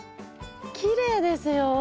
きれいですよ。